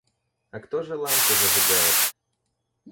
А кто же лампу зажигает?